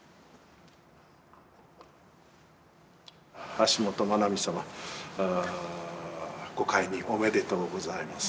橋本マナミ様ご懐妊おめでとうございます。